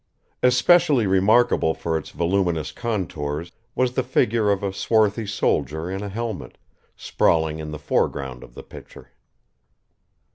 Especially remarkable for its voluminous contours was the figure of a swarthy soldier in a helmet, sprawling in the foreground of the picture.